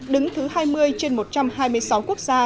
đứng thứ hai mươi trên một trăm hai mươi sáu quốc gia